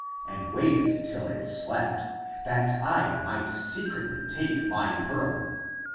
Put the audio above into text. And waited till it slept That I might secretly take my pearl.